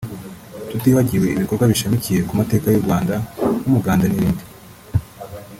tutibagiwe ibikorwa bishamikiye ku mateka y’u Rwanda nk’umuganda n’ibindi